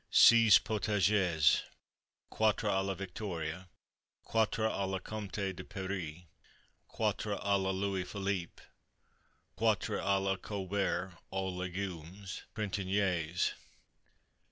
Seize Potages. Quatre à la Victoria. Quatre à la Comte de Paris. Quatre à la Louis Philippe. Quatre à la Colbert, aux Légumes Printaniers.